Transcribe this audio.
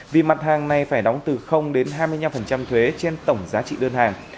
vì mặt hàng này phải đóng từ đến hai mươi năm thuế trên tổng giá trị đơn hàng